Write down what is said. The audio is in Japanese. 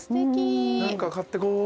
何か買ってこう。